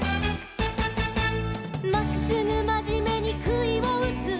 「まっすぐまじめにくいをうつ」